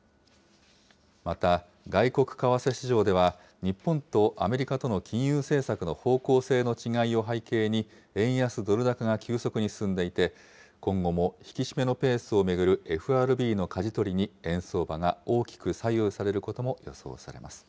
また、外国為替市場では、日本とアメリカとの金融政策の方向性の違いを背景に、円安ドル高が急速に進んでいて、今後も引き締めのペースを巡るＦＲＢのかじ取りに、円相場が大きく左右されることも予想されます。